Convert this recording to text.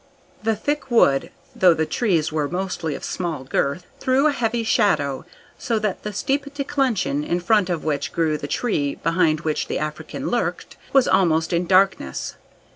The thick wood, though the trees were mostly of small girth, threw a heavy shadow, so that the steep declension, in front of which grew the tree behind which the African lurked, was almost in darkness.